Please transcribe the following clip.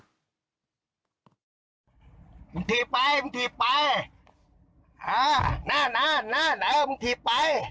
ก่อนมึงทีไปมึงทีไปอ่านั่นนั่นนั่นเออมึงทีไป